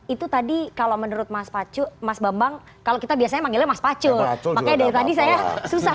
itu tadi kalau menurut mas pacu mas bambang karena kita biasanya memilih mas pacun pak edehan raha susah